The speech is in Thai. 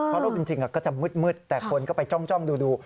เพราะรูปจริงก็จะมืดแต่คนก็ไปจ้องดู